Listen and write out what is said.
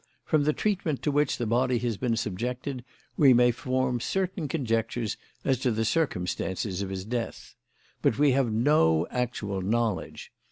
From the treatment to which the body has been subjected we may form certain conjectures as to the circumstances of his death. But we have no actual knowledge.